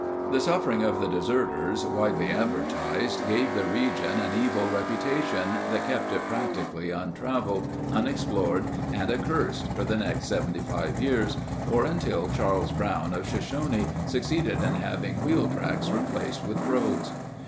The suffering of the deserters, widely advertised, gave the region an evil reputation that kept it practically untraveled, unexplored, and accursed for the next 75 years, or until Charles Brown of Shoshone succeeded in having wheel tracks replaced with roads.